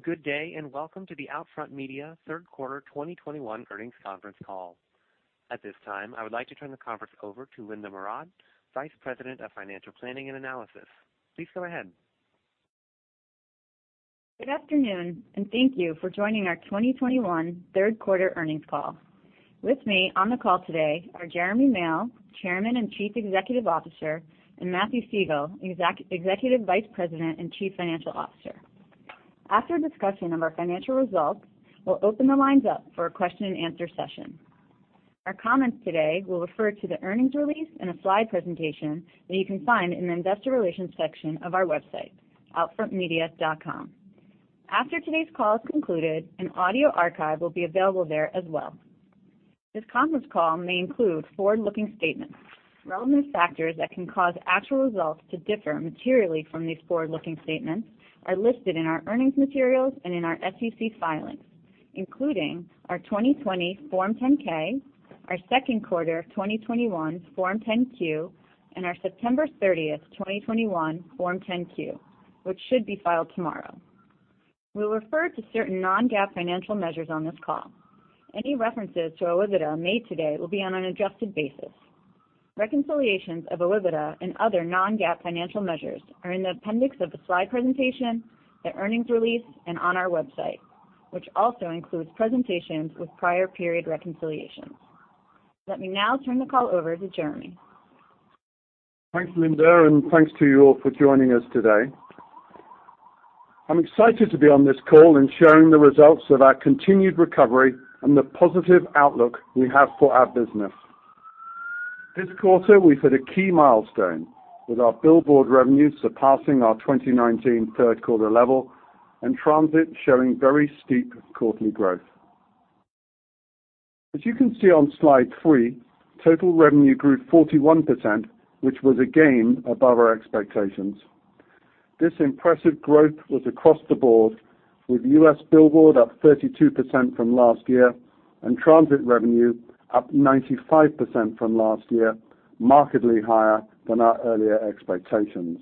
Good day, and welcome to the OUTFRONT Media Third Quarter 2021 Earnings Conference Call. At this time, I would like to turn the conference over to Linda Murad, Vice President of Financial Planning and Analysis. Please go ahead. Good afternoon, and thank you for joining our 2021 third quarter earnings call. With me on the call today are Jeremy Male, Chairman and Chief Executive Officer, and Matthew Siegel, Executive Vice President and Chief Financial Officer. After discussion of our financial results, we'll open the lines up for a question-and-answer session. Our comments today will refer to the earnings release and a slide presentation that you can find in the Investor Relations section of our website, outfrontmedia.com. After today's call is concluded, an audio archive will be available there as well. This conference call may include forward-looking statements. Relevant factors that can cause actual results to differ materially from these forward-looking statements are listed in our earnings materials and in our SEC filings, including our 2020 Form 10-K, our second quarter of 2021 Form 10-Q, and our September 30, 2021 Form 10-Q, which should be filed tomorrow. We'll refer to certain non-GAAP financial measures on this call. Any references to OIBDA made today will be on an adjusted basis. Reconciliations of OIBDA and other non-GAAP financial measures are in the appendix of the slide presentation, the earnings release, and on our website, which also includes presentations with prior period reconciliations. Let me now turn the call over to Jeremy. Thanks, Linda, and thanks to you all for joining us today. I'm excited to be on this call and sharing the results of our continued recovery and the positive outlook we have for our business. This quarter, we've hit a key milestone, with our billboard revenues surpassing our 2019 third quarter level and transit showing very steep quarterly growth. As you can see on slide three, total revenue grew 41%, which was again above our expectations. This impressive growth was across the board, with U.S. billboard up 32% from last year and transit revenue up 95% from last year, markedly higher than our earlier expectations.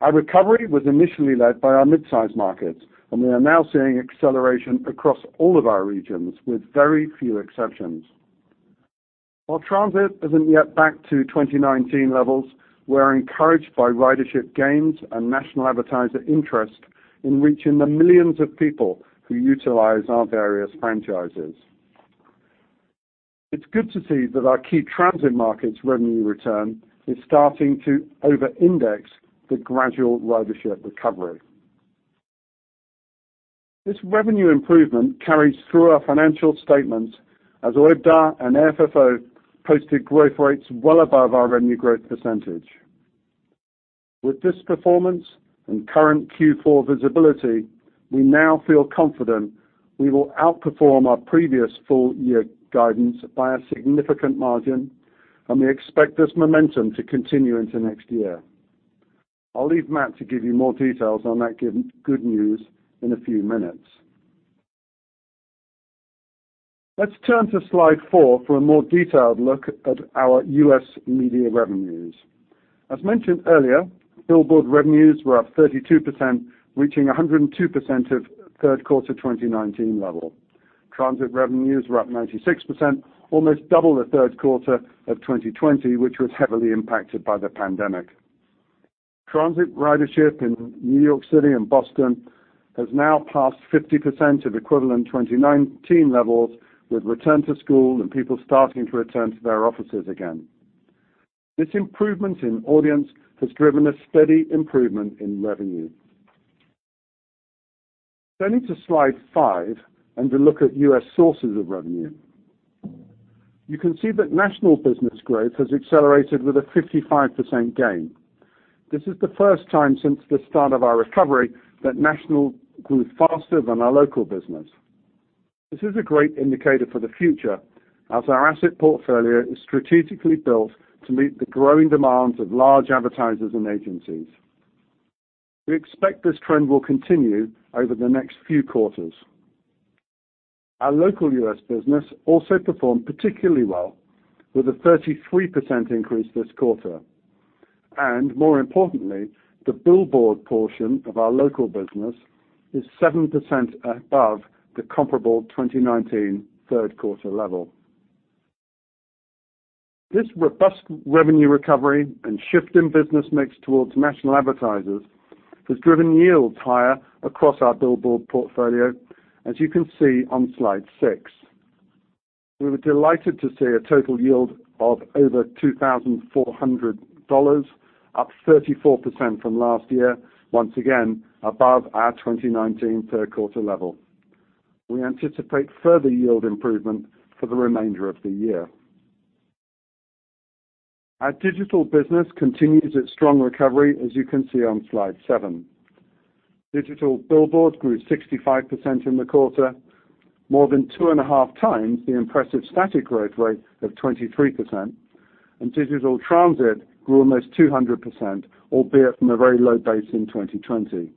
Our recovery was initially led by our mid-sized markets, and we are now seeing acceleration across all of our regions with very few exceptions. While transit isn't yet back to 2019 levels, we're encouraged by ridership gains and national advertiser interest in reaching the millions of people who utilize our various franchises. It's good to see that our key transit markets revenue return is starting to over-index the gradual ridership recovery. This revenue improvement carries through our financial statements as OIBDA and FFO posted growth rates well above our revenue growth percentage. With this performance and current Q4 visibility, we now feel confident we will outperform our previous full year guidance by a significant margin, and we expect this momentum to continue into next year. I'll leave Matt to give you more details on that good news in a few minutes. Let's turn to slide four for a more detailed look at our U.S. media revenues. As mentioned earlier, billboard revenues were up 32%, reaching 102% of third quarter 2019 level. Transit revenues were up 96%, almost double the third quarter of 2020, which was heavily impacted by the pandemic. Transit ridership in New York City and Boston has now passed 50% of equivalent 2019 levels with return to school and people starting to return to their offices again. This improvement in audience has driven a steady improvement in revenue. Turning to slide five and a look at U.S. sources of revenue. You can see that national business growth has accelerated with a 55% gain. This is the first time since the start of our recovery that national grew faster than our local business. This is a great indicator for the future as our asset portfolio is strategically built to meet the growing demands of large advertisers and agencies. We expect this trend will continue over the next few quarters. Our local U.S. business also performed particularly well with a 33% increase this quarter. More importantly, the billboard portion of our local business is 7% above the comparable 2019 third quarter level. This robust revenue recovery and shift in business mix towards national advertisers has driven yields higher across our billboard portfolio, as you can see on slide 6. We were delighted to see a total yield of over $2,400, up 34% from last year, once again above our 2019 third quarter level. We anticipate further yield improvement for the remainder of the year. Our digital business continues its strong recovery, as you can see on slide seven. Digital billboard grew 65% in the quarter, more than two and a half times the impressive static growth rate of 23%, and digital transit grew almost 200%, albeit from a very low base in 2020.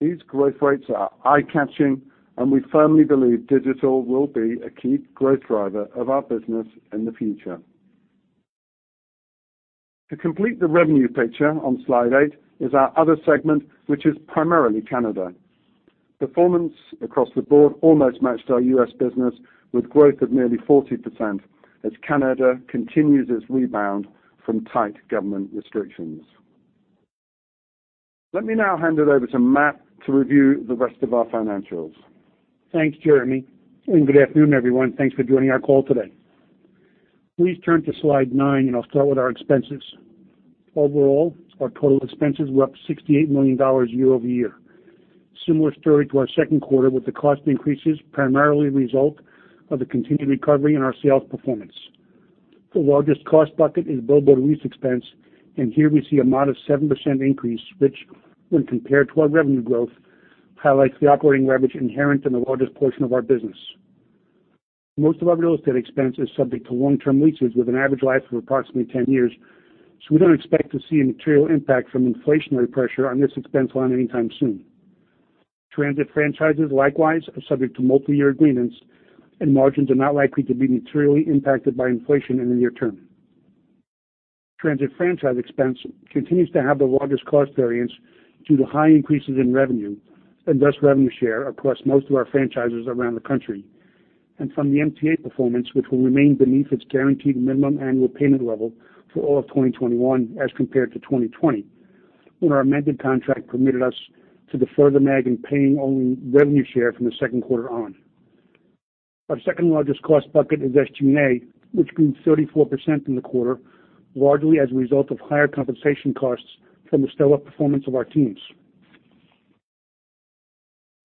These growth rates are eye-catching, and we firmly believe digital will be a key growth driver of our business in the future. To complete the revenue picture on slide eight is our other segment, which is primarily Canada. Performance across the board almost matched our U.S. business, with growth of nearly 40% as Canada continues its rebound from tight government restrictions. Let me now hand it over to Matt to review the rest of our financials. Thanks, Jeremy, and good afternoon, everyone. Thanks for joining our call today. Please turn to slide 9, and I'll start with our expenses. Overall, our total expenses were up $68 million year-over-year. Similar story to our second quarter, with the cost increases primarily a result of the continued recovery in our sales performance. The largest cost bucket is billboard lease expense, and here we see a modest 7% increase, which when compared to our revenue growth, highlights the operating leverage inherent in the largest portion of our business. Most of our real estate expense is subject to long-term leases with an average life of approximately 10 years, so we don't expect to see a material impact from inflationary pressure on this expense line anytime soon. Transit franchises likewise are subject to multi-year agreements, and margins are not likely to be materially impacted by inflation in the near term. Transit franchise expense continues to have the largest cost variance due to high increases in revenue, and thus revenue share across most of our franchises around the country, and from the MTA performance, which will remain beneath its guaranteed minimum annual guarantee level for all of 2021 as compared to 2020, when our amended contract permitted us to defer the MAG and paying only revenue share from the second quarter on. Our second largest cost bucket is SG&A, which grew 34% in the quarter, largely as a result of higher compensation costs from the stellar performance of our teams.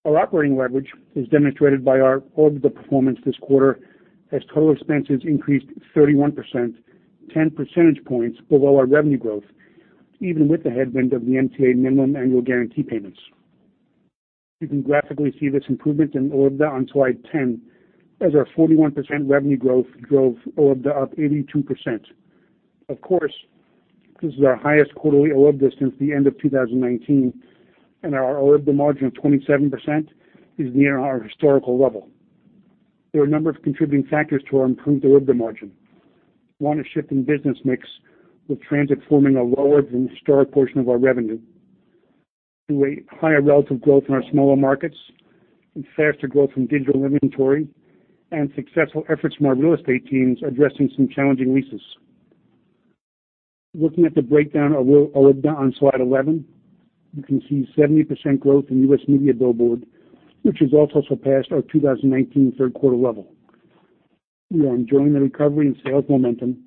Our operating leverage is demonstrated by our OIBDA performance this quarter as total expenses increased 31%, 10 percentage points below our revenue growth, even with the headwind of the MTA minimum annual guarantee payments. You can graphically see this improvement in OIBDA on slide 10 as our 41% revenue growth drove OIBDA up 82%. Of course, this is our highest quarterly OIBDA since the end of 2019, and our OIBDA margin of 27% is near our historical level. There are a number of contributing factors to our improved OIBDA margin. One, a shift in business mix, with transit forming a lower than historic portion of our revenue. Two, a higher relative growth in our smaller markets and faster growth in digital inventory and successful efforts from our real estate teams addressing some challenging leases. Looking at the breakdown of OIBDA on slide 11, you can see 70% growth in U.S. media billboard, which has also surpassed our 2019 third quarter level. We are enjoying the recovery and sales momentum,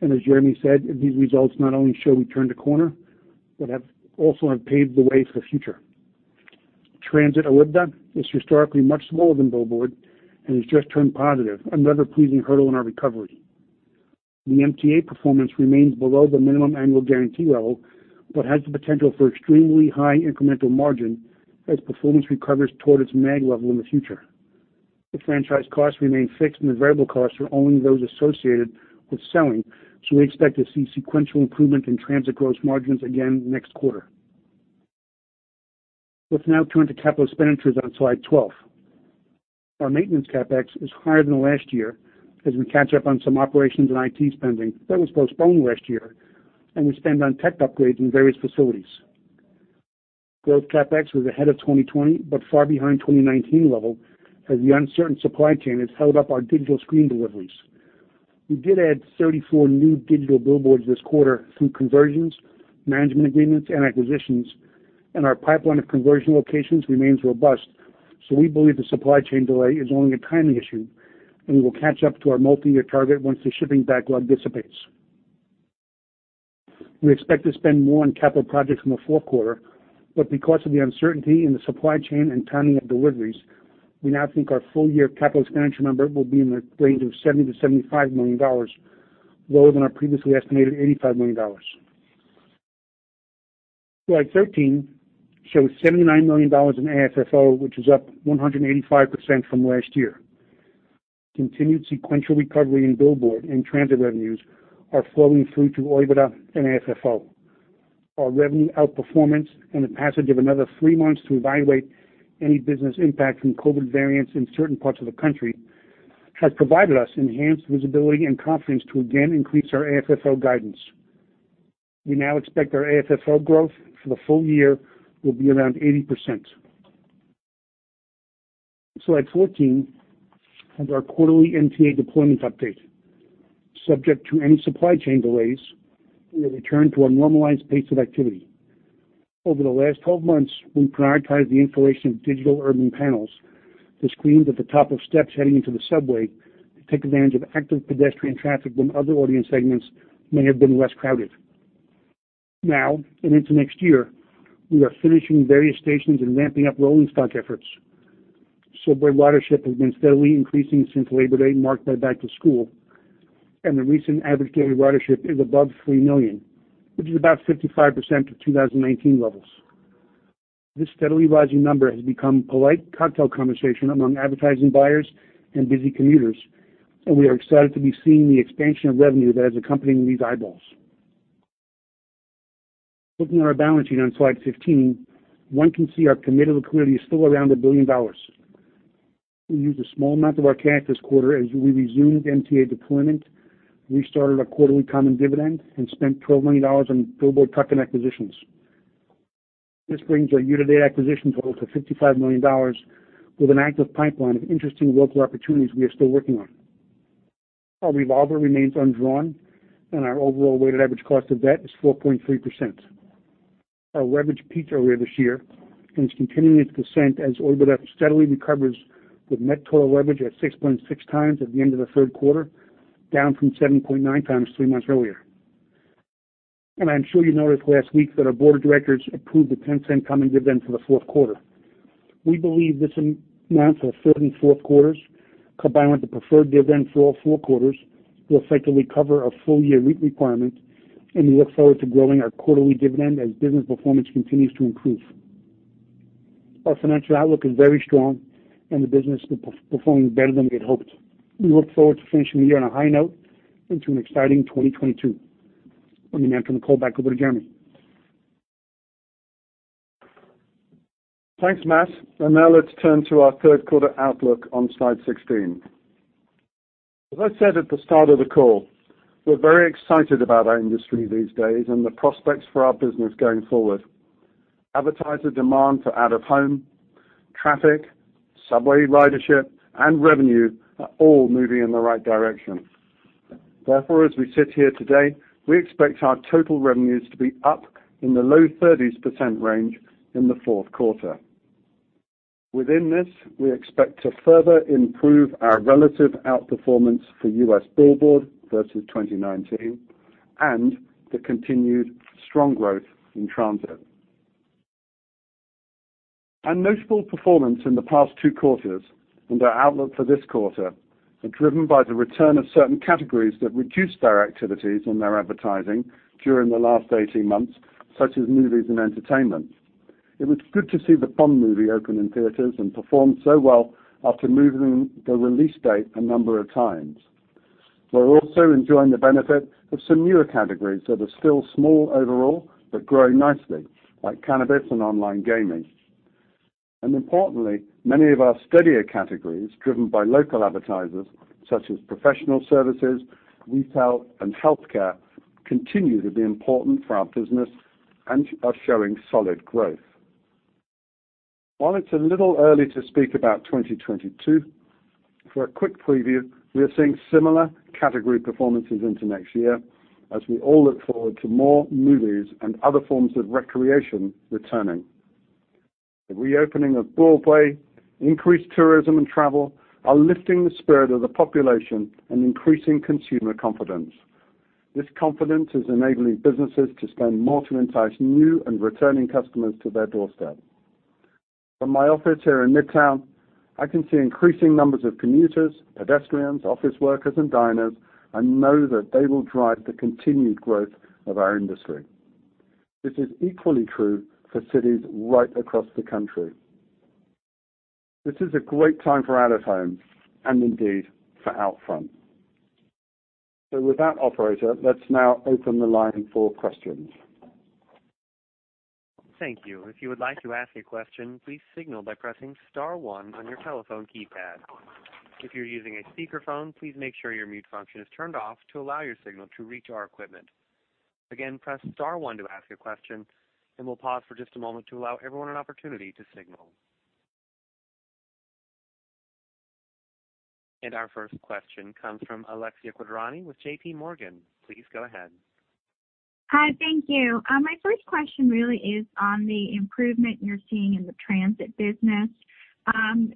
and as Jeremy said, these results not only show we turned a corner, but have also paved the way for the future. Transit OIBDA is historically much smaller than billboard and has just turned positive, another pleasing hurdle in our recovery. The MTA performance remains below the minimum annual guarantee level but has the potential for extremely high incremental margin as performance recovers toward its MAG level in the future. The franchise costs remain fixed and the variable costs are only those associated with selling, so we expect to see sequential improvement in transit gross margins again next quarter. Let's now turn to capital expenditures on slide 12. Our maintenance CapEx is higher than last year as we catch up on some operations and IT spending that was postponed last year and we spend on tech upgrades in various facilities. Growth CapEx was ahead of 2020 but far behind 2019 levels as the uncertain supply chain has held up our digital screen deliveries. We did add 34 new digital billboards this quarter through conversions, management agreements and acquisitions, and our pipeline of conversion locations remains robust. We believe the supply chain delay is only a timing issue, and we will catch up to our multi-year target once the shipping backlog dissipates. We expect to spend more on capital projects in the fourth quarter, but because of the uncertainty in the supply chain and timing of deliveries, we now think our full year capital expenditure number will be in the range of $70 million-$75 million, lower than our previously estimated $85 million. Slide 13 shows $79 million in AFFO, which is up 185% from last year. Continued sequential recovery in billboard and transit revenues are flowing through to OIBDA and AFFO. Our revenue outperformance and the passage of another three months to evaluate any business impact from COVID variants in certain parts of the country has provided us enhanced visibility and confidence to again increase our AFFO guidance. We now expect our AFFO growth for the full year will be around 80%. Slide 14 has our quarterly MTA deployment update. Subject to any supply chain delays, we have returned to a normalized pace of activity. Over the last 12 months, we prioritized the installation of digital urban panels, the screens at the top of steps heading into the subway to take advantage of active pedestrian traffic when other audience segments may have been less crowded. Now, and into next year, we are finishing various stations and ramping up rolling stock efforts. Subway ridership has been steadily increasing since Labor Day marked by back to school, and the recent average daily ridership is above 3 million, which is about 55% of 2019 levels. This steadily rising number has become polite cocktail conversation among advertising buyers and busy commuters, and we are excited to be seeing the expansion of revenue that is accompanying these eyeballs. Looking at our balance sheet on slide 15, one can see our committed liquidity is still around $1 billion. We used a small amount of our cash this quarter as we resumed MTA deployment, restarted our quarterly common dividend, and spent $12 million on billboard tuck-in acquisitions. This brings our year-to-date acquisition total to $55 million with an active pipeline of interesting local opportunities we are still working on. Our revolver remains undrawn and our overall weighted average cost of debt is 4.3%. Our leverage peaked earlier this year and is continuing its descent as OIBDA steadily recovers, with net total leverage at 6.6 times at the end of the third quarter, down from 7.9x three months earlier. I'm sure you noticed last week that our board of directors approved a $0.10 common dividend for the fourth quarter. We believe this amount for third and fourth quarters, combined with the preferred dividend for all four quarters, will effectively cover our full year requirement, and we look forward to growing our quarterly dividend as business performance continues to improve. Our financial outlook is very strong and the business is performing better than we had hoped. We look forward to finishing the year on a high note and to an exciting 2022. Let me now turn the call back over to Jeremy. Thanks, Matt. Now let's turn to our third quarter outlook on slide 16. As I said at the start of the call, we're very excited about our industry these days and the prospects for our business going forward. Advertiser demand for out-of-home, traffic, subway ridership, and revenue are all moving in the right direction. Therefore, as we sit here today, we expect our total revenues to be up in the low 30s% range in the fourth quarter. Within this, we expect to further improve our relative outperformance for U.S. billboard versus 2019 and the continued strong growth in transit. Our notable performance in the past two quarters and our outlook for this quarter are driven by the return of certain categories that reduced their activities and their advertising during the last 18 months, such as movies and entertainment. It was good to see the Bond movie open in theaters and perform so well after moving the release date a number of times. We're also enjoying the benefit of some newer categories that are still small overall, but growing nicely, like cannabis and online gaming. Importantly, many of our steadier categories, driven by local advertisers such as professional services, retail, and healthcare, continue to be important for our business and are showing solid growth. While it's a little early to speak about 2022, for a quick preview, we are seeing similar category performances into next year as we all look forward to more movies and other forms of recreation returning. The reopening of Broadway, increased tourism and travel are lifting the spirit of the population and increasing consumer confidence. This confidence is enabling businesses to spend more to entice new and returning customers to their doorstep. From my office here in Midtown, I can see increasing numbers of commuters, pedestrians, office workers, and diners, and know that they will drive the continued growth of our industry. This is equally true for cities right across the country. This is a great time for out-of-home and indeed for OUTFRONT. With that, operator, let's now open the line for questions. Thank you. If you would like to ask a question, please signal by pressing star one on your telephone keypad. If you're using a speakerphone, please make sure your mute function is turned off to allow your signal to reach our equipment. Again, press star one to ask a question, and we'll pause for just a moment to allow everyone an opportunity to signal. Our first question comes from Alexia Quadrani with JP Morgan. Please go ahead. Hi. Thank you. My first question really is on the improvement you're seeing in the transit business.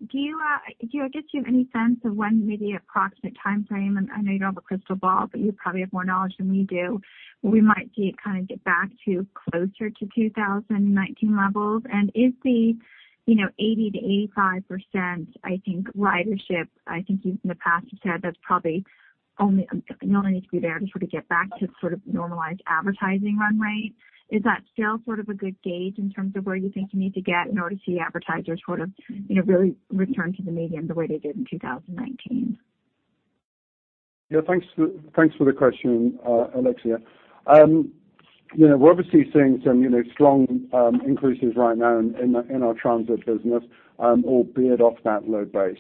Do you, I guess, have any sense of when maybe approximate time frame, and I know you don't have a crystal ball, but you probably have more knowledge than we do, we might see it kind of get back to closer to 2019 levels? Is the, you know, 80%-85%, I think, ridership, I think you've in the past have said that's probably only, you only need to be there just sort of get back to sort of normalized advertising run rate. Is that still sort of a good gauge in terms of where you think you need to get in order to see advertisers sort of, you know, really return to the medium the way they did in 2019? Yeah. Thanks for the question, Alexia. You know, we're obviously seeing some you know strong increases right now in our transit business albeit off that low base.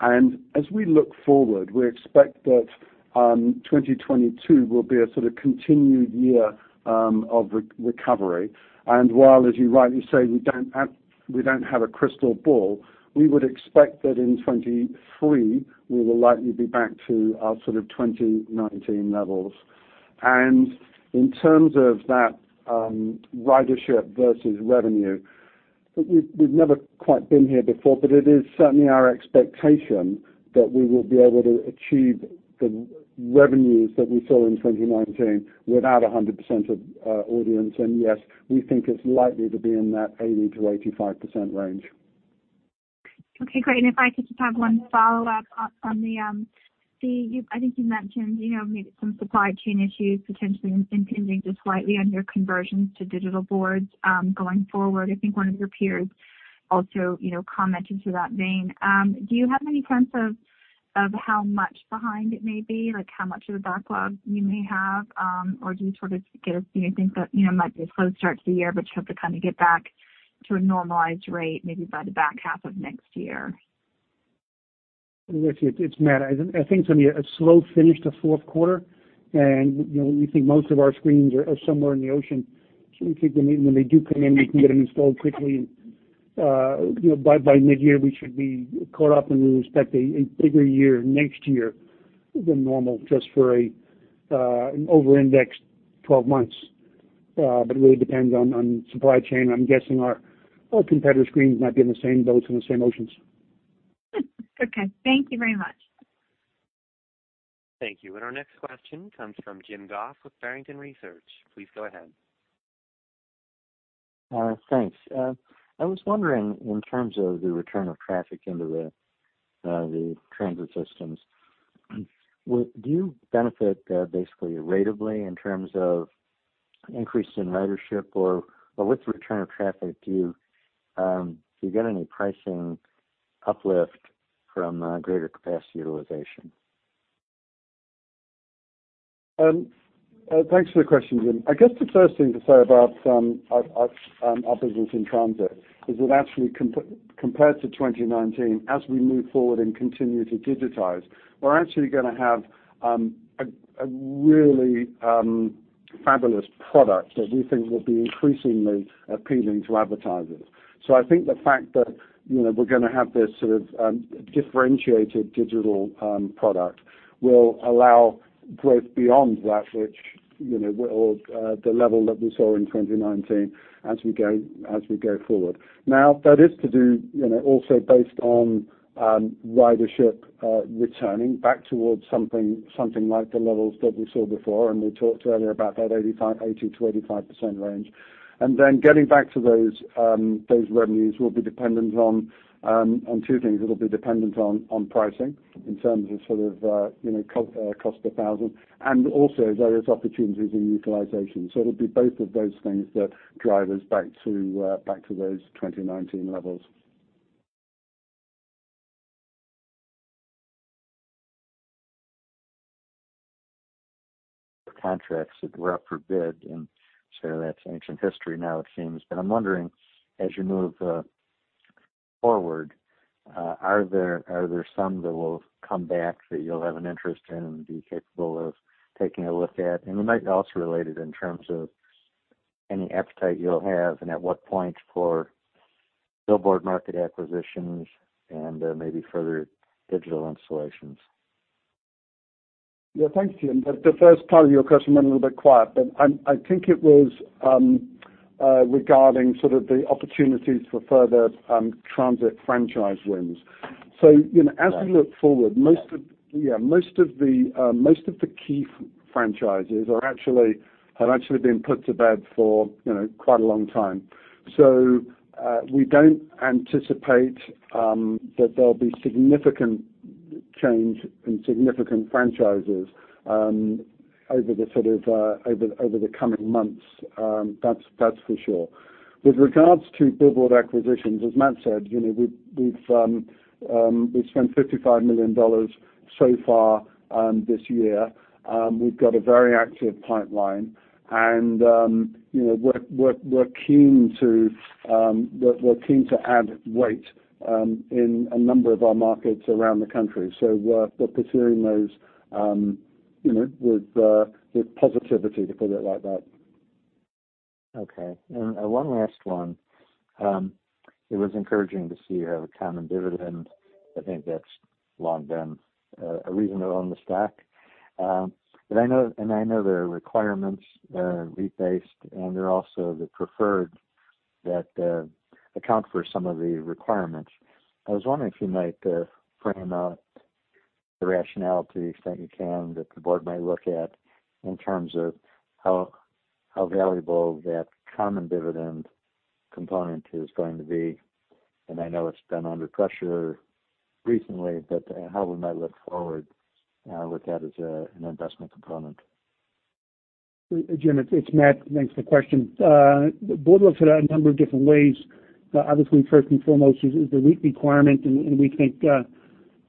As we look forward, we expect that 2022 will be a sort of continued year of recovery. While, as you rightly say, we don't have a crystal ball, we would expect that in 2023 we will likely be back to our sort of 2019 levels. In terms of that ridership versus revenue, we've never quite been here before, but it is certainly our expectation that we will be able to achieve the revenues that we saw in 2019 without 100% of audience. Yes, we think it's likely to be in that 80%-85% range. Okay, great. If I could just have one follow-up. You, I think you mentioned, you know, maybe some supply chain issues potentially impinging just slightly on your conversions to digital boards going forward, I think one of your peers also, you know, commenting in that vein, do you have any sense of how much behind it may be? Like how much of the backlog you may have, or do you think that, you know, it might be a slow start to the year, but you hope to kind of get back to a normalized rate maybe by the back half of next year? It's Matt. I think it's gonna be a slow finish to fourth quarter. You know, we think most of our screens are somewhere in the ocean. We think when they do come in, we can get them installed quickly. You know, by mid-year, we should be caught up, and we expect a bigger year next year than normal just for an over-indexed 12 months. It really depends on supply chain. I'm guessing our competitors' screens might be in the same boats in the same oceans. Okay. Thank you very much. Thank you. Our next question comes from Jim Goss with Barrington Research. Please go ahead. Thanks. I was wondering in terms of the return of traffic into the transit systems, do you benefit basically ratably in terms of increase in ridership or with the return of traffic, do you get any pricing uplift from greater capacity utilization? Thanks for the question, Jim. I guess the first thing to say about our business in transit is that actually compared to 2019, as we move forward and continue to digitize, we're actually gonna have a really fabulous product that we think will be increasingly appealing to advertisers. I think the fact that, you know, we're gonna have this sort of differentiated digital product will allow growth beyond that which, you know, or the level that we saw in 2019 as we go forward. Now, that has to do, you know, also based on ridership returning back towards something like the levels that we saw before, and we talked earlier about that 80%-85% range. Getting back to those revenues will be dependent on two things. It'll be dependent on pricing in terms of sort of you know cost per thousand, and also various opportunities in utilization. It'll be both of those things that drive us back to those 2019 levels. Contracts that were up for bid, and so that's ancient history now it seems. I'm wondering, as you move forward, are there some that will come back that you'll have an interest in and be capable of taking a look at? It might be also related in terms of any appetite you'll have and at what point for billboard market acquisitions and maybe further digital installations. Yeah. Thanks, Jim. The first part of your question went a little bit quiet, but I think it was regarding sort of the opportunities for further transit franchise wins. You know- Right. As we look forward, most of the key franchises have actually been put to bed for, you know, quite a long time. We don't anticipate that there'll be significant change in significant franchises over the coming months, that's for sure. With regards to billboard acquisitions, as Matt said, you know, we've spent $55 million so far this year. We've got a very active pipeline, and, you know, we're keen to add weight in a number of our markets around the country. We're pursuing those, you know, with positivity, to put it like that. Okay. One last one. It was encouraging to see you have a common dividend. I think that's long been a reason to own the stock. But I know there are requirements, REIT-based, and there are also the preferred that account for some of the requirements. I was wondering if you might frame out the rationale, extent you can, that the board might look at in terms of how valuable that common dividend component is going to be. I know it's been under pressure recently, but how we might look forward, look at as a, an investment component. Jim, it's Matt. Thanks for the question. The board looks at it a number of different ways. Obviously, first and foremost is the REIT requirement, and we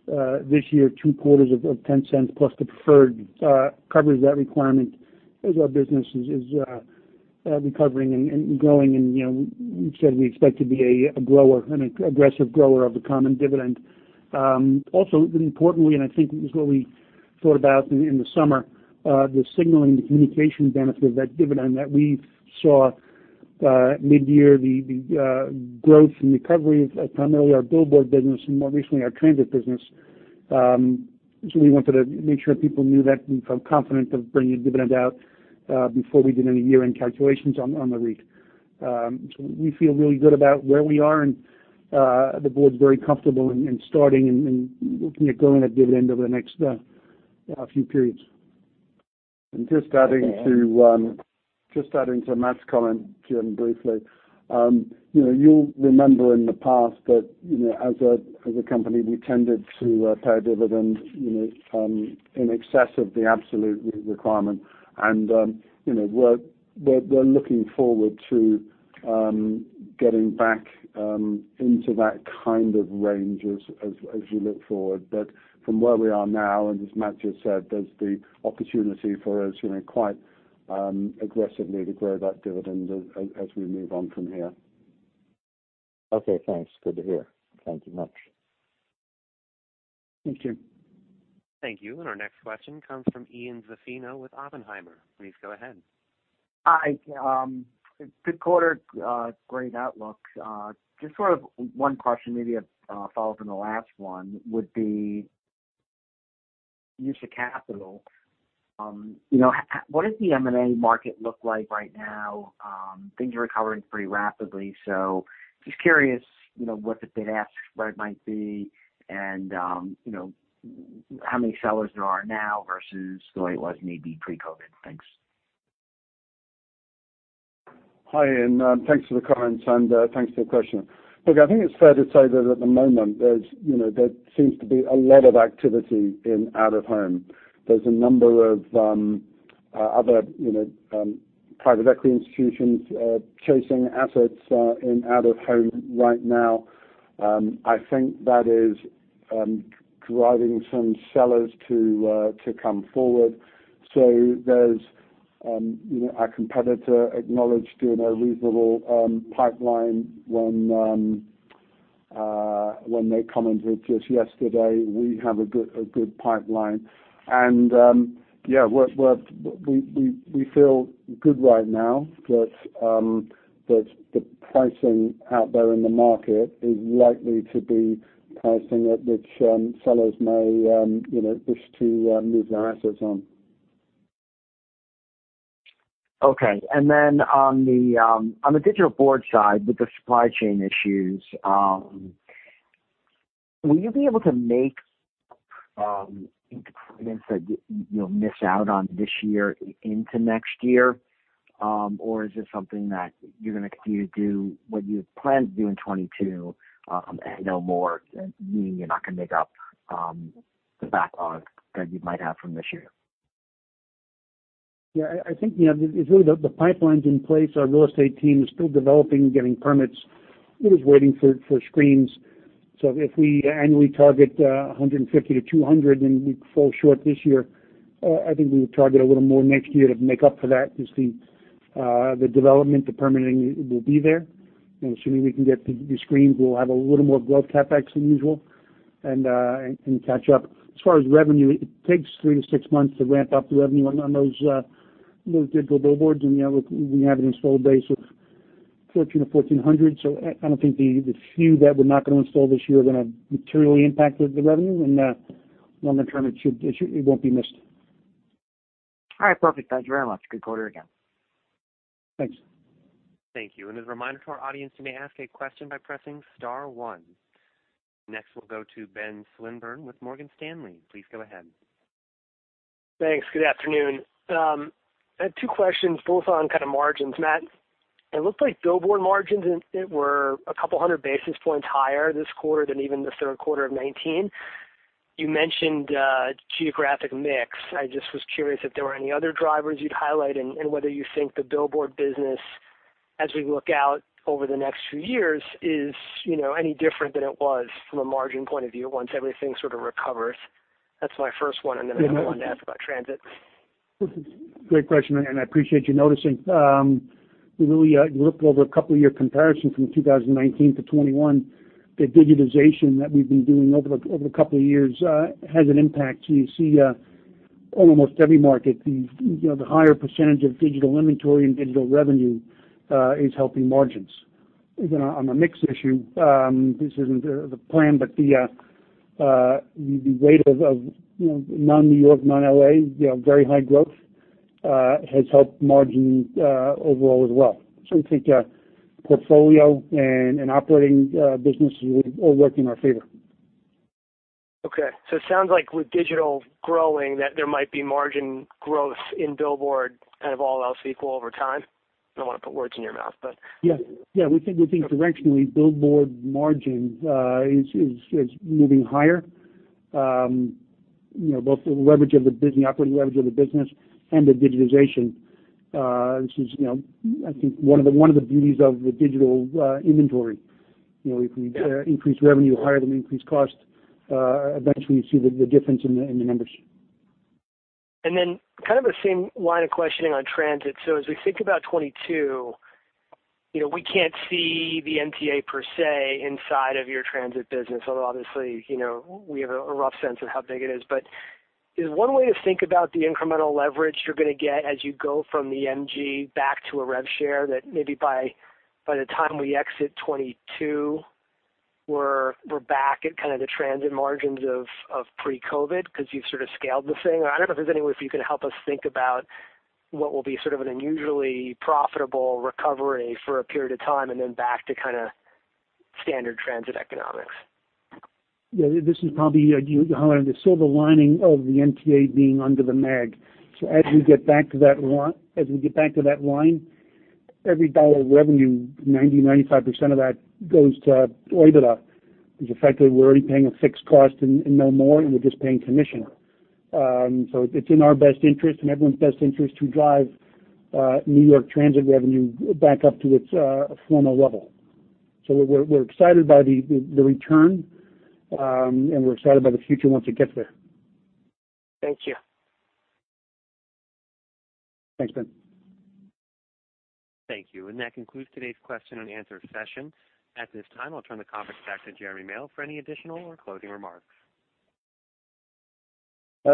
think this year, two quarters of $0.10 plus the preferred covers that requirement as our business is recovering and growing. You know, we've said we expect to be a grower, an aggressive grower of the common dividend. Also importantly, I think it was what we thought about in the summer, the signaling and the communication benefit of that dividend that we saw mid-year, the growth and recovery of primarily our billboard business and more recently our transit business. We wanted to make sure people knew that and felt confident of bringing a dividend out before we did any year-end calculations on the REIT. We feel really good about where we are and the board's very comfortable in starting and looking at growing that dividend over the next few periods. Just adding to Matt's comment, Jim, briefly. You know, you'll remember in the past that, you know, as a company, we tended to pay a dividend, you know, in excess of the absolute requirement. You know, we're looking forward to getting back into that kind of range as you look forward. From where we are now, and as Matt just said, there's the opportunity for us, you know, quite aggressively to grow that dividend as we move on from here. Okay, thanks. Good to hear. Thank you much. Thank you. Thank you. Our next question comes from Ian Zaffino with Oppenheimer. Please go ahead. Hi, good quarter, great outlook. Just sort of one question maybe, follow up on the last one would be use of capital. You know, what does the M&A market look like right now? Things are recovering pretty rapidly, so just curious, you know, what the bid-ask, where it might be and, you know, how many sellers there are now versus the way it was maybe pre-COVID. Thanks. Hi, thanks for the comments and thanks for the question. Look, I think it's fair to say that at the moment there's, you know, there seems to be a lot of activity in out-of-home. There's a number of other, you know, private equity institutions chasing assets in out-of-home right now. I think that is driving some sellers to come forward. There's, you know, our competitor acknowledged doing a reasonable pipeline when they commented just yesterday. We have a good pipeline. Yeah, we feel good right now that the pricing out there in the market is likely to be pricing at which sellers may, you know, wish to move their assets on. Okay. On the digital board side with the supply chain issues, will you be able to make any provision that you'll miss out on this year into next year? Is this something that you're gonna continue to do what you had planned to do in 2022, and no more, meaning you're not gonna make up the backlog that you might have from this year? Yeah, I think, you know, it's really the pipeline's in place. Our real estate team is still developing, getting permits. It was waiting for screens. If we annually target 150 to 200 and we fall short this year, I think we would target a little more next year to make up for that as the development, the permitting will be there. You know, assuming we can get the screens, we'll have a little more growth CapEx than usual and catch up. As far as revenue, it takes three to six months to ramp up the revenue on those digital billboards. You know, we have an installed base of 1,400. I don't think the few that we're not gonna install this year are gonna materially impact the revenue. Longer term, it won't be missed. All right, perfect. Thanks very much. Good quarter again. Thanks. Thank you. As a reminder to our audience, you may ask a question by pressing star one. Next, we'll go to Ben Swinburne with Morgan Stanley. Please go ahead. Thanks. Good afternoon. I have two questions, both on kind of margins. Matt, it looks like billboard margins were a couple hundred basis points higher this quarter than even the third quarter of 2019. You mentioned geographic mix. I just was curious if there were any other drivers you'd highlight, and whether you think the billboard business as we look out over the next few years is, you know, any different than it was from a margin point of view once everything sort of recovers. That's my first one, and then I have one to ask about transit. Great question, and I appreciate you noticing. We really looked over a couple-year comparison from 2019 to 2021. The digitization that we've been doing over a couple of years has an impact. You see, almost every market, you know, the higher percentage of digital inventory and digital revenue is helping margins. On a mix issue, this isn't the plan, but the rate of, you know, non-New York, non-L.A., you know, very high growth has helped margins overall as well. We think portfolio and operating businesses will all work in our favor. Okay. It sounds like with digital growing, that there might be margin growth in billboard kind of all else equal over time. I don't wanna put words in your mouth, but. We think directionally billboard margins is moving higher. You know, both the operating leverage of the business and the digitization. This is, you know, I think one of the beauties of the digital inventory. You know, if we increase revenue higher than we increase cost, eventually you see the difference in the numbers. Then kind of the same line of questioning on transit. As we think about 2022, you know, we can't see the MTA per se inside of your transit business, although obviously, you know, we have a rough sense of how big it is. Is one way to think about the incremental leverage you're gonna get as you go from the MAG back to a rev share that maybe by the time we exit 2022, we're back at kind of the transit margins of pre-COVID 'cause you've sort of scaled the thing? I don't know if there's any way if you can help us think about what will be sort of an unusually profitable recovery for a period of time and then back to kinda standard transit economics. Yeah. This is probably you highlighting the silver lining of the MTA being under the MAG. As we get back to that line, every dollar of revenue, 95% of that goes to EBITDA. Because effectively we're already paying a fixed cost and no more, and we're just paying commission. It's in our best interest and everyone's best interest to drive New York Transit revenue back up to its former level. We're excited by the return and we're excited by the future once it gets there. Thank you. Thanks, Ben. Thank you. That concludes today's question and answer session. At this time, I'll turn the conference back to Jeremy Male for any additional or closing remarks.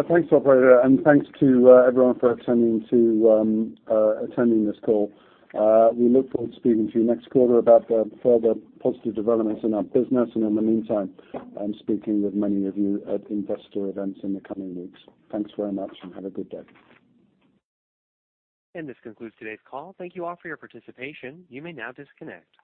Thanks, operator, and thanks to everyone for attending this call. We look forward to speaking to you next quarter about the further positive developments in our business. In the meantime, I'm speaking with many of you at investor events in the coming weeks. Thanks very much, and have a good day. This concludes today's call. Thank you all for your participation. You may now disconnect.